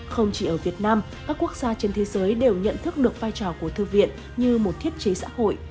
không chỉ ở việt nam các quốc gia trên thế giới đều nhận thức được vai trò của thư viện như một thiết chế xã hội